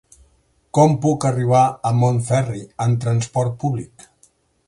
Com puc arribar a Montferri amb trasport públic?